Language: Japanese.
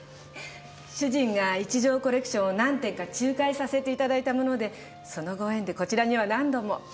主人が一条コレクションを何点か仲介させていただいたものでそのご縁でこちらには何度も。